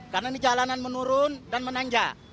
karena ini jalanan menurun dan menanjak